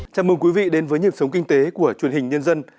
chào mừng quý vị đến với nhịp sống kinh tế của truyền hình nhân dân